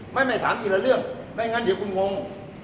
ไม่ถามทีละเรื่องไม่งั้นเดี๋ยวคุณงง